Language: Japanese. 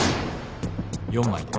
４枚で